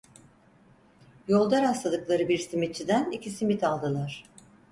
Yolda rastladıkları bir simitçiden iki simit aldılar.